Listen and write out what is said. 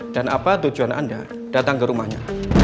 dan apa tujuan anda datang ke rumahnya